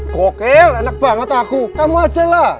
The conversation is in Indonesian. kokel enak banget aku kamu ajalah